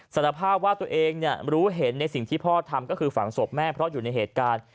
สารภาพว่าตัวเองรู้เห็นในสิ่งที่พ่อทำก็คือฝังศพแม่เพราะอยู่ในเหตุการณ์